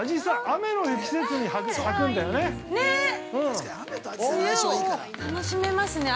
雨の季節に咲くんだよね。